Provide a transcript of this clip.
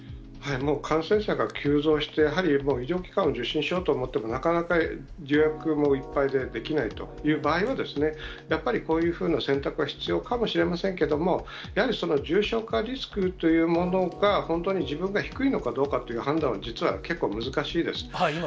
感染者が急増して、やはりもう、医療機関を受診しようと思っても、なかなか予約もいっぱいで、できないという場合は、やっぱりこういうふうな選択は必要かもしれませんけども、やはり重症化リスクというものが、本当に自分が低いのかどうかという判断は実は結構難しいです。